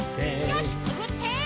よしくぐって！